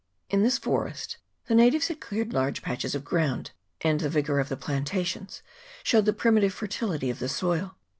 In this forest the natives had cleared large patches of ground, and the vigour of the plantations showed the primitive fertility of the soil.